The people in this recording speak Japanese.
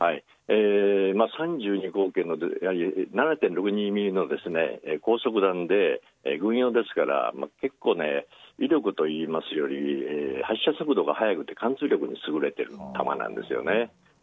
３２口径の７．６２ｍｍの高速弾で軍用ですから結構、威力といいますより発射速度が速くて貫通力に優れている弾です。